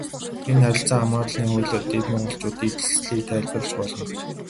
Энэ харилцаа хамаарлын хуулиар Дээд Монголчуудын ижилслийг тайлбарлаж болно.